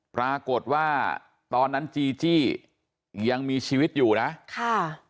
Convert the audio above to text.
ปรากฏว่าตอนนั้นจีจี้ยังมีชีวิตอยู่นะค่ะ